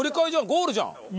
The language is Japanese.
ゴールじゃん。